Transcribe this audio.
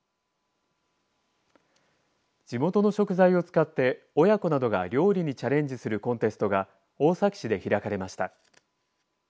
地元の食材を使って親子などが料理にチャレンジするコンテストが大崎市で開かれました。